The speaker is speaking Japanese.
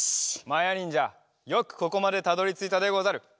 まやにんじゃよくここまでたどりついたでござる！